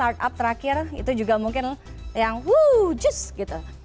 favoritnya startup terakhir itu juga mungkin yang wuhh just gitu